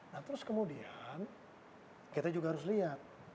nah terus kemudian kita juga harus lihat